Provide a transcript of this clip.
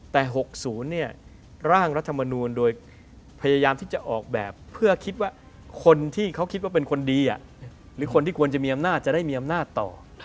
แต่๖๐เนี่ยร่างรัฐมนูลโดยพยายามที่จะออกแบบเพื่อคิดว่าคนที่เขาคิดว่าเป็นคนดีหรือคนที่ควรจะมีอำนาจจะได้มีอำนาจต่อ